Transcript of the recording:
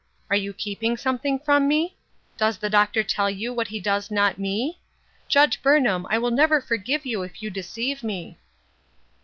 Are you keeping something from me? 420 " The Oil of Joyr 421 Does the Doctor tell you what he does not me ? Judge Burnham, I will never forgive you if you deceive me."